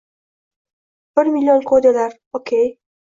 “Bir million koderlar” – ok.